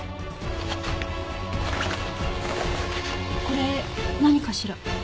これ何かしら？